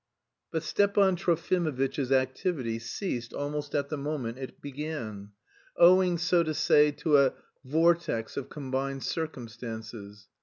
But Stepan Trofimovitch's activity ceased almost at the moment it began, owing, so to say, to a "vortex of combined circumstances."